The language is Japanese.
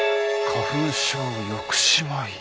花粉症抑止米。